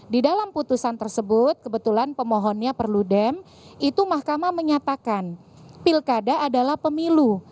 di dalam putusan tersebut kebetulan pemohonnya perludem itu mahkamah menyatakan pilkada adalah pemilu